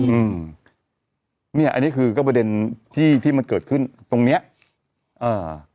อืมเนี้ยอันนี้คือก็ประเด็นที่ที่มันเกิดขึ้นตรงเนี้ยอ่า